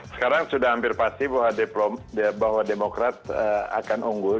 sekarang sudah hampir pasti bahwa demokrat akan unggul